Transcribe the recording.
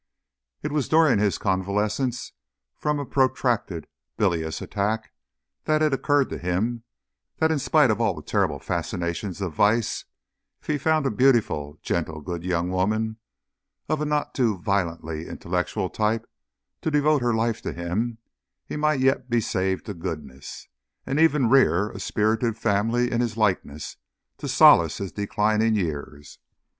It was during his convalescence from a protracted bilious attack that it occurred to him that in spite of all the terrible fascinations of Vice, if he found a beautiful, gentle, good young woman of a not too violently intellectual type to devote her life to him, he might yet be saved to Goodness, and even rear a spirited family in his likeness to solace his declining years.